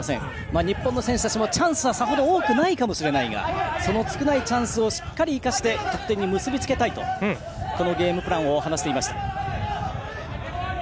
日本の選手たちもチャンスはさほど多くないかもしれないがその少ないチャンスをしっかり生かして得点に結び付けたいとこのゲームプランを話していました。